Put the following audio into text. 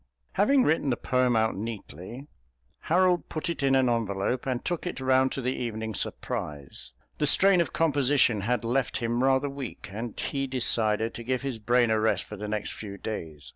Having written the poem out neatly, Harold put it in an envelope and took it round to The Evening Surprise. The strain of composition had left him rather weak, and he decided to give his brain a rest for the next few days.